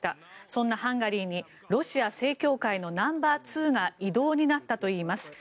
そんなハンガリーにロシア正教会のナンバーツーが異動になったといいます。